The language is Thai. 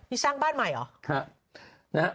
ที่สร้างบ้านใหม่หรอนะฮะ